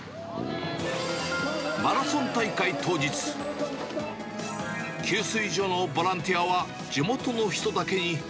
マラソン大会当日、給水所のボランティアは、地元の人だけに。